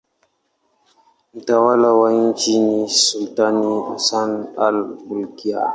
Mtawala wa nchi ni sultani Hassan al-Bolkiah.